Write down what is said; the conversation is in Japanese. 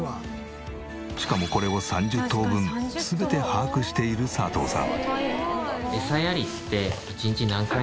しかもこれを３０頭分全て把握している佐藤さん。